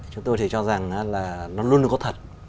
chúng tôi thì cho rằng là nó luôn có thật